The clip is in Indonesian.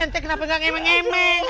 ente kenapa gak ngemeng ngemeng